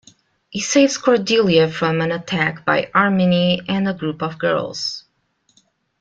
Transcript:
He saves Cordelia from an attack by Harmony and a group of girls.